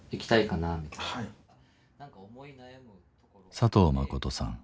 佐藤誠さん